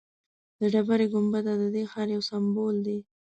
د ډبرې ګنبد ددې ښار یو سمبول دی.